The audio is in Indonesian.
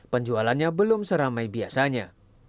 penjualannya belum seramai biasanya